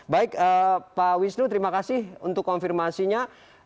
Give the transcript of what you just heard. baik pak wisnu terima kasih untuk konfirmasinya